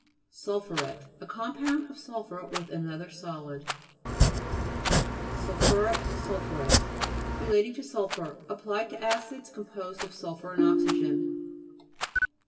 SUL'PHURET A compound of sul phur with an other solid. SULPHU'RIC ? Relating to sulphur. SULPHUROUS 3 Applied to acids composed of sulphur and oxygen.